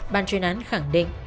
ban chuyên án khẳng định